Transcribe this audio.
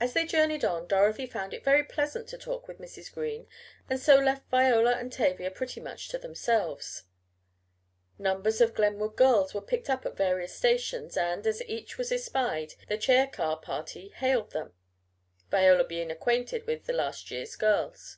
As they journeyed on Dorothy found it very pleasant to talk with Mrs. Green and so left Viola and Tavia pretty much to themselves. Numbers of Glenwood girls were picked up at various stations, and, as each was espied, the chair car party hailed them, Viola being acquainted with the last year's girls.